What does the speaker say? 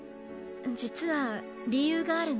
実は理由があるの。